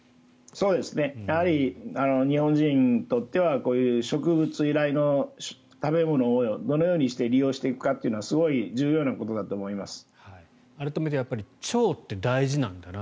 やはり日本人にとってはこういう植物由来の食べ物をどのようにして利用していくかというのはすごく重要だと思います。